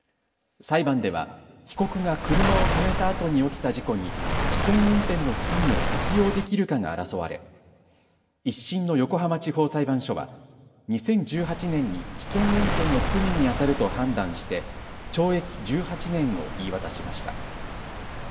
裁判が被告が車を止めたあとに起きた事故に危険運転の罪を適用できるかが争われ１審の横浜地方裁判所は２０１８年に危険運転の罪にあたると判断して懲役１８年を言い渡しました。